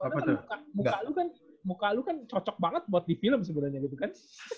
karena kan muka lu kan cocok banget buat di film sebenernya gitu kan